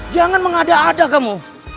jangan mengada ada kamu